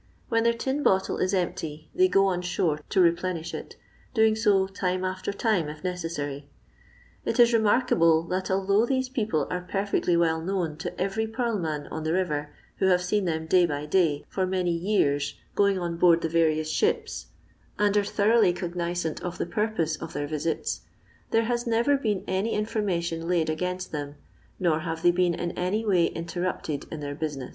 When their tin bottle is empty they go on shore to replenish it, doing so time after time if necessary. It is remarkable that although these people are perfectly well known to every purl* man on the river, who have seen them day by day, for many years going on board the various ships, and are thoroughly cogniflmt of the purpose of ibeir visits, there has never been any information laid against them, nor have they beoi in any way interrupted in theiribusiness.